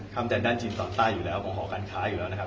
คำจากด้านจีนตอนใต้อยู่แล้วก็หอการค้าอยู่แล้วนะครับ